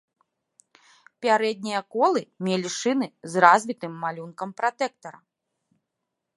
Пярэднія колы мелі шыны з развітым малюнкам пратэктара.